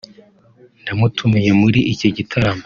ndamutumiye muri iki gitaramo"